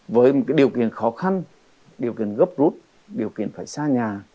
với một điều kiện khó khăn điều kiện gấp rút điều kiện phải xa nhà